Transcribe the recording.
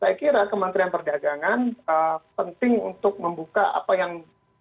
saya kira kementerian perdagangan penting untuk membuka apa yang